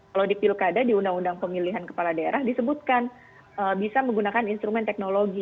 kalau di pilkada di undang undang pemilihan kepala daerah disebutkan bisa menggunakan instrumen teknologi